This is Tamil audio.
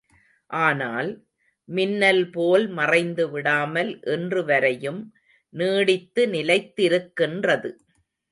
ஆனால், மின்னல் போல் மறைந்து விடாமல் இன்று வரையும் நீடித்து நிலைத்திருக்கின்றது.